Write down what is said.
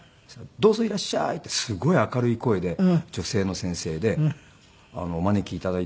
「どうぞいらっしゃい」ってすごい明るい声で女性の先生でお招き頂いたので行ってみようと思って。